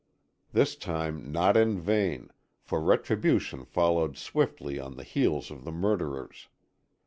This time not in vain, for retribution followed swiftly on the heels of the murderers.